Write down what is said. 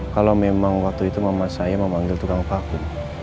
kalau memang waktu itu mama saya memanggil tukang paku